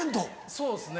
そうですね。